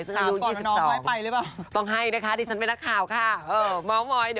ซึ่งอยู่๒๒นต้องให้นะคะดิฉันเป็นนักข่าวค่ะม้องมอย